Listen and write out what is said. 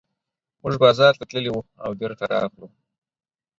موږ بازار ته تللي وو او بېرته راغلو.